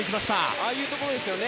ああいうところですよね。